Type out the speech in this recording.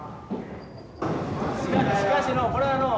しかしのうこれはのう